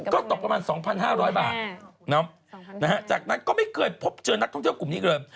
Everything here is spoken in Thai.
ก็ตกประมาณ๒๕๐๐บาทจากนั้นก็ไม่เคยพบเจอนักท่องเที่ยวกลุ่มนี้อีกเลย